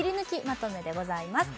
まとめでございます